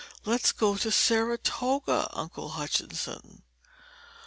Let's go to Saratoga, Uncle Hutchinson!